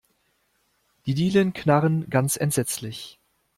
Die Dielen knarren ganz entsetzlich.